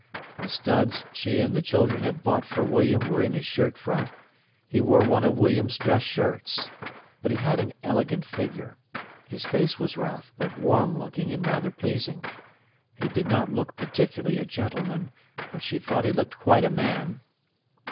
The studs she and the children had bought for William were in his shirt front; he wore one of William's dress shirts. But he had an elegant figure. His face was rough, but warm looking and rather pleasing. He did not look particularly a gentleman, but she thought he looked quite a man.